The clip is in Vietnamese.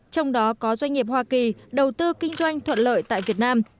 trong đó có doanh nghiệp hoa kỳ đầu tư kinh doanh thuận lợi tại việt nam